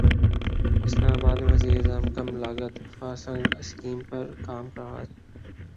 اسلام اباد میں وزیراعظم کم لاگت ہاسنگ اسکیم پر کام کا اغاز